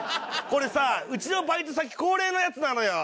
これさうちのバイト先恒例のやつなのよ。